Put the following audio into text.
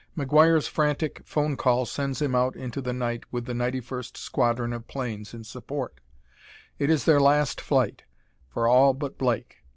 McGuire's frantic phone call sends him out into the night with the 91st Squadron of planes in support. It is their last flight, for all but Blake.